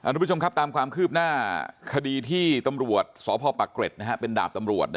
ทุกผู้ชมครับตามความคืบหน้าคดีที่ตำรวจสพปะเกร็ดเป็นดาบตำรวจ